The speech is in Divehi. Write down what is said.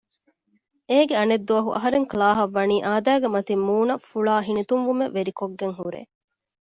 އޭގެ އަނެއް ދުވަހު އަހަރެން ކުލާހަށް ވަނީ އާދައިގެ މަތިން މޫނަށް ފުޅާ ހިނިތުންވުމެއް ވެރިކޮށްގެން ހުރޭ